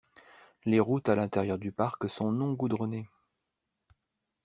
Les routes à l'intérieur du parc sont non goudronnées.